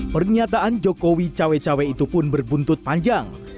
pernyataan jokowi cawe cawe itu pun berbuntut panjang